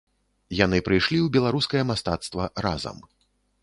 Яны прыйшлі ў беларускае мастацтва разам.